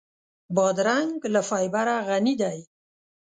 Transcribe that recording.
بادرنګ له فایبره غني دی.